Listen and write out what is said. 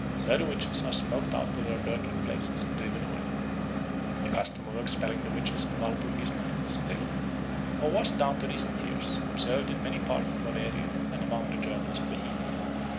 So the witches are smoked out of their lurking places and driven away. The custom of expelling the witches on Walpurgis Night is still, or was down to recent years, observed in many parts of Bavaria and among the Germans of Bohemia.